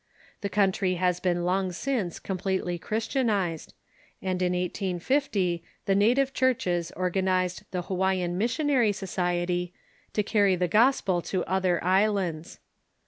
The country has been long since completely Christianized, and in 1850 the native churches organized the Hawaiian Missionary Society, to carry the gospel to other islands.